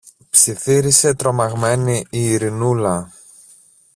ψιθύρισε τρομαγμένη η Ειρηνούλα.